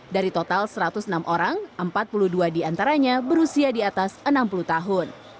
dari total satu ratus enam orang empat puluh dua diantaranya berusia di atas enam puluh tahun